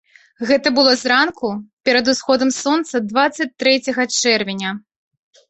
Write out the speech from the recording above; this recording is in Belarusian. Гэта было зранку, перад усходам сонца дваццаць трэцяга чэрвеня.